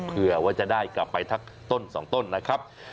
เผื่อว่าจะได้กลับไปทักต้น๒ต้นนะครับ